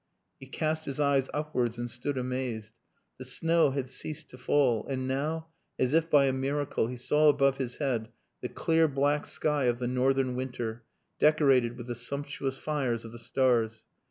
He cast his eyes upwards and stood amazed. The snow had ceased to fall, and now, as if by a miracle, he saw above his head the clear black sky of the northern winter, decorated with the sumptuous fires of the stars.